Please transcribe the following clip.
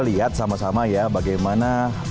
lihat sama sama ya bagaimana